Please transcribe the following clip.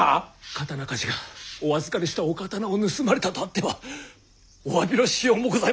刀鍛冶がお預かりしたお刀を盗まれたとあってはお詫びのしようもございません！